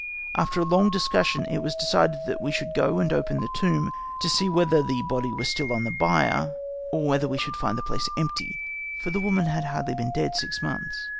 After a long discussion it was decided that we should go and open the tomb, to see whether the body was still on the bier, or whether we should find the place empty, for the woman had hardly been dead six months.